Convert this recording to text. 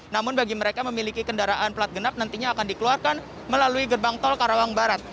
namun bagi mereka memiliki kendaraan pelat genap nantinya akan dikeluarkan melalui gerbang tol karawang barat